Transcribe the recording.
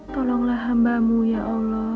tolonglah hambamu ya allah